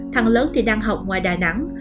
thằng lớn thì đang học ngoài đà nẵng